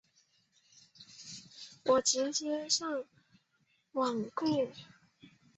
我直接上网网购